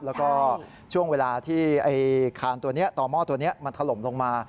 แล้วก็ช่วงเวลาที่ต่อหม้อตัวนี้มันถล่มลงมา